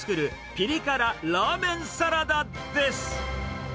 ピリ辛ラーメンサラダです。